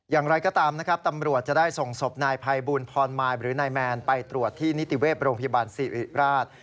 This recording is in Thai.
อย่างไรก็ตามนะครับตำรวจจะได้ส่งศพนายภัยบูลพรมายหรือนายแมนไปตรวจที่นิติเวศโรงพยาบาลศิริราช